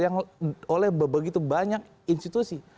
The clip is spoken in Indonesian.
yang oleh begitu banyak institusi